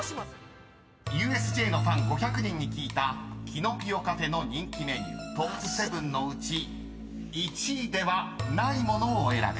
［ＵＳＪのファン５００人に聞いたキノピオ・カフェの人気メニュートップ７のうち１位ではないものを選べ］